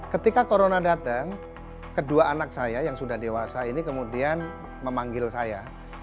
ketika corona datang kedua anak saya yang sudah dewasa ini kemudian memanggil saya